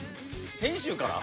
先週から？